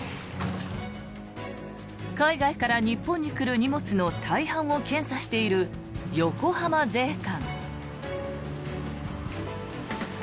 海外から日本に来る荷物の大半を検査している横浜税関。